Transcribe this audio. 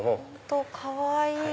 かわいい！